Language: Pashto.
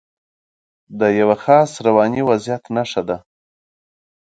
د یوه خاص رواني وضعیت نښه ده.